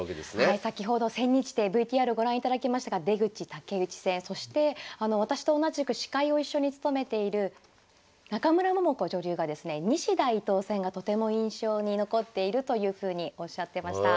先ほど千日手ＶＴＲご覧いただきましたが出口・竹内戦そして私と同じく司会を一緒に務めている中村桃子女流がですね西田・伊藤戦がとても印象に残っているというふうにおっしゃってました。